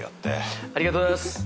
ありがとうございます。